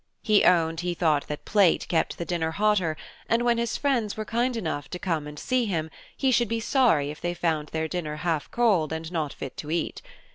He owned he thought that plate kept the dinner hotter, and when his friends were kind enough to come and see him he should be sorry if they found their dinner half cold and not fit to eat.